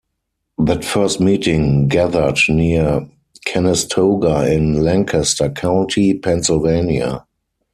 That first meeting gathered near Conestoga in Lancaster County, Pennsylvania.